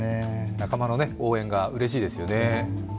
仲間の応援がうれしいですよね。